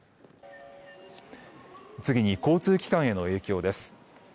次に交通機関への影響です。